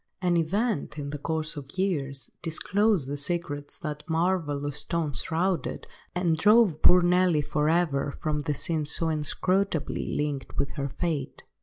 An event, in the course of years, disclosed the secrets that marvellous stone shrouded, and drove poor Nelly for ever from the scene so inscrutably linked with her fate.